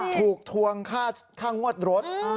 ทวงค่างวดรถ